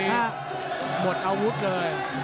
หมดอาวุธเลย